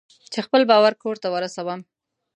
چې خپل بار کور ته ورسوم.